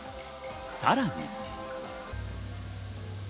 さらに。